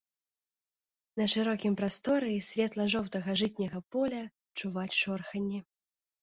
На шырокім прасторы светла-жоўтага жытняга поля чуваць шорханне.